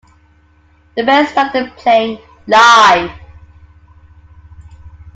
The band started playing live.